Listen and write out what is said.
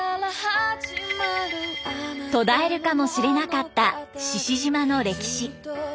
途絶えるかもしれなかった志々島の歴史。